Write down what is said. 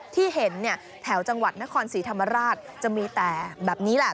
ที่เห็นเนี่ยแถวจังหวัดนครศรีธรรมราชจะมีแต่แบบนี้แหละ